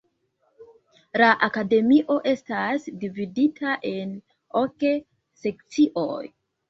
La Akademio estas dividita en ok sekcioj.